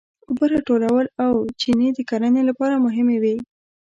اوبه راټولول او چینې د کرنې لپاره مهمې وې.